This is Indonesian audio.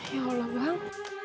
ya allah bang